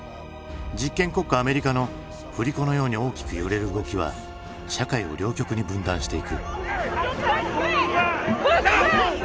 実験国家アメリカの振り子のように大きく揺れる動きは社会を両極に分断していく。